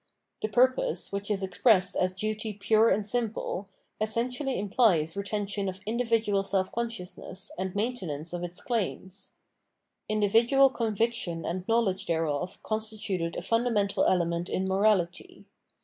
The purpose, which is expressed as duty pure and simple, essentially implies retention of individual self consciousness and maintenance of its claims. Individual conviction and knowledge thereof constituted a funda mental element in morality.